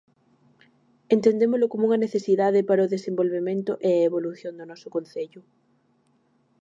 Entendémolo como unha necesidade para o desenvolvemento e a evolución do noso concello.